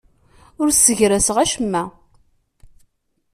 Ur ssegraseɣ acemma.